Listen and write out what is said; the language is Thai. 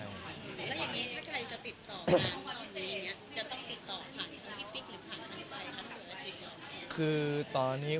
แล้วอย่างนี้ถ้าใครจะติดต่อกันตอนนี้จะต้องติดต่อผ่านทั้งพี่ปิ๊กหรือผ่านทั้งอัศวิน